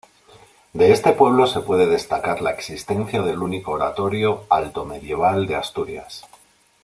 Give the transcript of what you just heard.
De este pueblo se puede destacar la existencia del único oratorio altomedieval de Asturias.